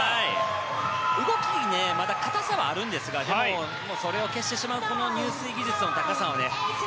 動き、まだ硬さはあるんですがでも、それを消してしまうこの入水技術の高さが。